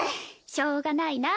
しょうがないなあ。